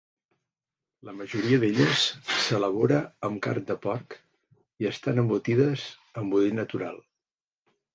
La majoria d'elles s'elabora amb carn de porc i estan embotides en budell natural.